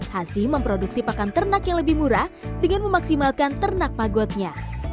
hazim memproduksi pakan ternak yang lebih murah dengan memaksimalkan ternak magotnya